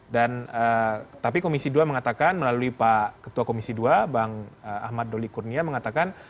dan tapi komisi dua mengatakan melalui pak ketua komisi dua bang ahmad doli kurnia mengatakan